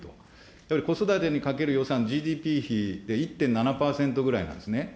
やはり子育てにかける予算、ＧＤＰ比で１．７％ぐらいなんですね。